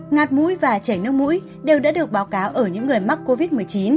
ngạt mũi và chảy nước mũi đều đã được báo cáo ở những người mắc covid một mươi chín